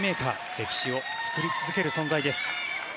歴史を作り続ける存在です。